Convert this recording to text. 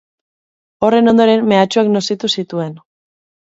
Horren ondoren mehatxuak nozitu zituen.